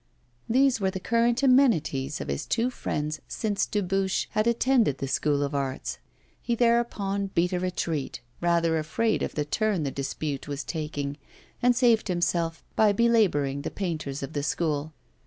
These were the current amenities of his two friends since Dubuche had attended the School of Arts. He thereupon beat a retreat, rather afraid of the turn the dispute was taking, and saved himself by belabouring the painters of the School.